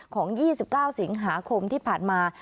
๒๙สิงหาคมที่ผ่านมา